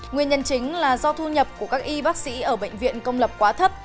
nguyên nhân chính là do thu nhập của các y bác sĩ ở bệnh viện công lập quá thấp